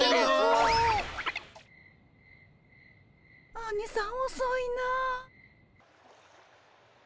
アニさんおそいなぁ。